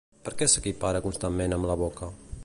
Per què s'equipara constantment amb la boca?